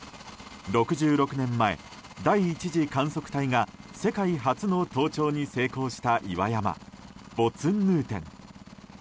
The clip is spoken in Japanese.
６６年前、第１次観測隊が世界初の登頂に成功した岩山ボツンヌーテン。